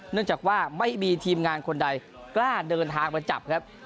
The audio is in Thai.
เนื่องจากว่าไม่มีทีมงานคนใดกล้าเดินทางมาจับครับ